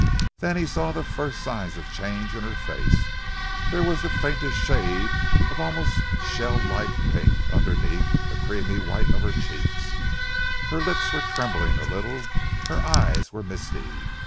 Then he saw the first signs of change in her face. There was the faintest shade of almost shell like pink underneath the creamy white of her cheeks. Her lips were trembling a little, her eyes were misty.